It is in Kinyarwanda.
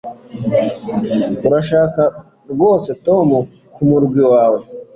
Urashaka rwose Tom kumurwi wawe